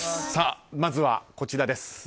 まずはこちらです。